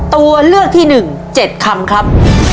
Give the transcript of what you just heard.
ตัวเลือกที่หนึ่ง๗คำครับ